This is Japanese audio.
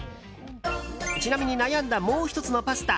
ちなみに悩んだもう１つのパスタ。